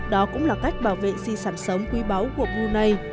đó cũng là cách bảo vệ di sản sống quý báu của brunei